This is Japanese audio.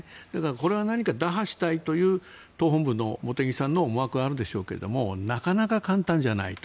これは打破したいという党本部茂木さんの思惑があるでしょうけどなかなか簡単じゃないと。